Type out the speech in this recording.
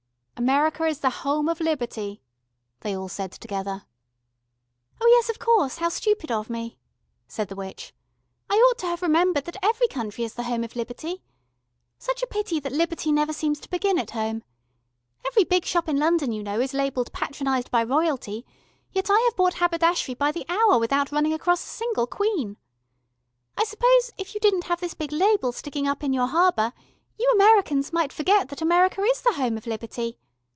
"America is the home of Liberty," they said all together. "Oh yes, of course, how stupid of me," said the witch. "I ought to have remembered that every country is the Home of Liberty. Such a pity that Liberty never seems to begin at home. Every big shop in London, you know, is labelled Patronised by Royalty, yet I have bought haberdashery by the hour without running across a single queen. I suppose if you didn't have this big label sticking up in your harbour, you Americans might forget that America is the Home of Liberty.